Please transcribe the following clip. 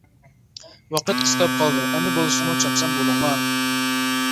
ۋاقىت قىستاپ قالدى، ئەمدى بولسىمۇ چاپسان بولۇڭلار.